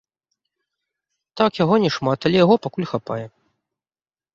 Так, яго не шмат, але яго пакуль хапае.